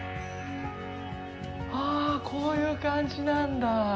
ああ、こういう感じなんだあ。